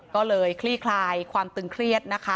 ก็เลยคลี่คลายความตึงเครียดนะคะ